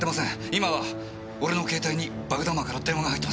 今は俺の携帯に爆弾魔から電話が入っています。